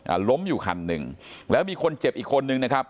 ล้มอยู่คันหนึ่งแล้วมีคนเจ็บอีกคนนึงนะครับ